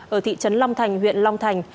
ở thị trấn long thành huyện long thành